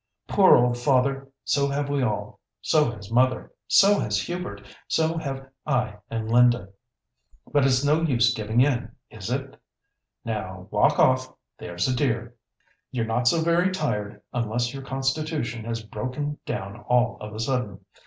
"Poor old father! So have we all; so has mother, so has Hubert, so have I and Linda. But it's no use giving in, is it? Now walk off, there's a dear! You're not so very tired, unless your constitution has broken down all of a sudden.